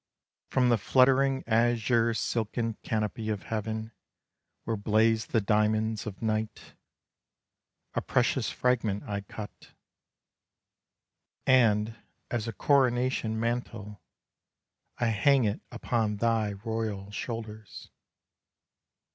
From the fluttering azure silken canopy of heaven, Where blaze the diamonds of night, A precious fragment I cut: And as a coronation mantle, I hang it upon thy royal shoulders.